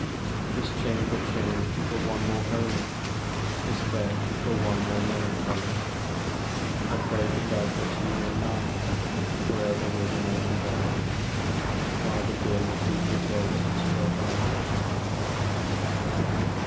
This chamber changed for one more holy, This bed for one more melancholy, I pray to God that she may lie For ever with unopened eye, While the dim sheeted ghosts go by!